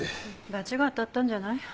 罰が当たったんじゃない？